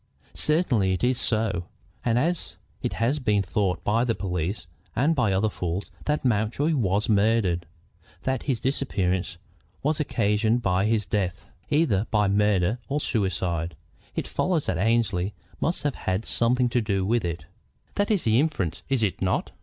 "Certainly it is so. And as it has been thought by the police, and by other fools, that Mountjoy was murdered, that his disappearance was occasioned by his death, either by murder or suicide, it follows that Annesley must have had something to do with it. That is the inference, is it not?"